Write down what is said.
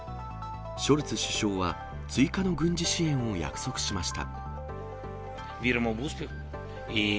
ショルツ首相は、追加の軍事支援を約束しました。